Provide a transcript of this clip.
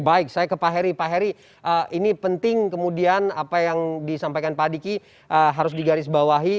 baik saya ke pak heri pak heri ini penting kemudian apa yang disampaikan pak adiki harus digarisbawahi